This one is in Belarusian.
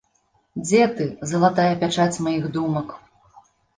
Дзе ты, залатая пячаць маіх думак?